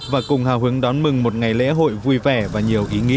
và cùng hào hứng đón mừng một ngày lễ hội vui vẻ và nhiều ý nghĩa